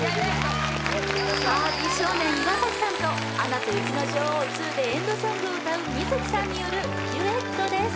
さあ美少年岩さんと「アナと雪の女王２」でエンドソングを歌うＭｉｚｋｉさんによるデュエットです